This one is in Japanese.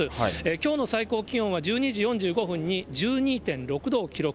きょうの最高気温は１２時４５分に１２．６度を記録。